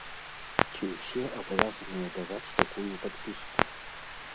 Ці ўсе абавязаныя даваць такую падпіску?